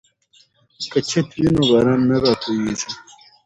که چت وي نو باران نه راتوییږي.